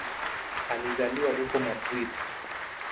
Alizaliwa huko Madrid.